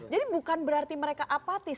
jadi bukan berarti mereka apatis